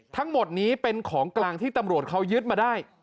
ทั้งหมดนี้เป็นของกลางที่ตำรวจเขายึดมาได้